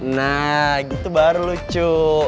nah gitu baru lucu